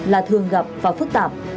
là thường gặp và phức tạp